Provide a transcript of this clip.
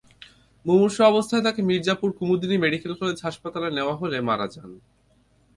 মুমূর্ষু অবস্থায় তাঁকে Mirzapur Kumudini medical college হাসপাতালে নেওয়া হলে মারা যান।